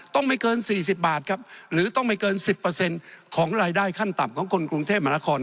ต้องไม่เกินสี่สิบบาทครับหรือต้องไม่เกินสิบเปอร์เซ็นต์ของรายได้ขั้นต่ำของคนกรุงเทพฯหมาละคร